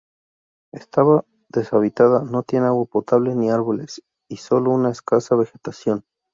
Está deshabitada, no tiene agua potable ni árboles y sólo una escasa vegetación.